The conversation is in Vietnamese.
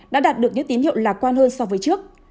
đã đạt được những tín hiệu lạc quan hơn so với trước